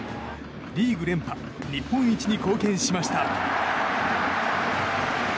リーグ連覇日本一に貢献しました。